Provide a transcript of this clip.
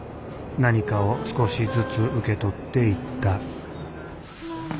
何かを少しずつ受け取っていった